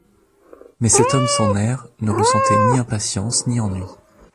Mais cet homme sans nerfs ne ressentait ni impatience ni ennui.